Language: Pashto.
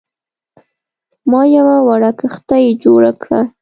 ما یوه وړه کښتۍ جوړه کړه.